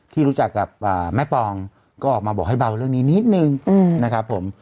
ที่รู้จักกับแม่ปองก็ออกมาบอกให้เบาเรื่องนี้นิดนึงนะครับผม